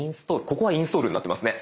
ここはインストールになってますね。